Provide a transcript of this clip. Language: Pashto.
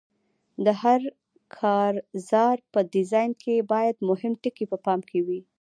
د هر کارزار په ډیزاین کې باید مهم ټکي په پام کې وي.